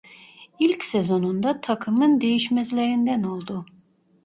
İlk sezonunda takımın değişmezlerinden oldu.